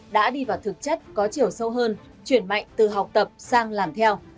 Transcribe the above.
đã đi vào thực chất có chiều sâu hơn chuyển mạnh từ học tập sang làm theo